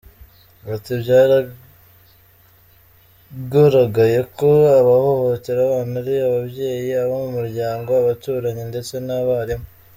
Ati “Byagaragaye ko abahohotera abana ari ababyeyi, abo mu muryango, abaturanyi ndetse n’abarimu.